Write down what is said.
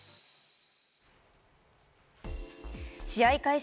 試合開始